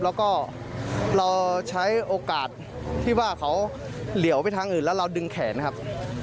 แล้วก็เราใช้โอกาสที่ว่าเขาเหลียวไปทางอื่นแล้วเราดึงแขนครับ